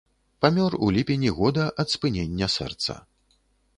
Памёр у ліпені года ад спынення сэрца.